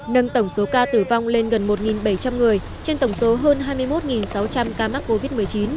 nâng tổng số ca tử vong lên gần một bảy trăm linh người trên tổng số hơn hai mươi một sáu trăm linh ca mắc covid một mươi chín